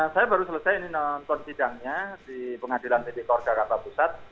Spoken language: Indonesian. saya baru selesai nonton sidangnya di pengadilan medikor kakak pusat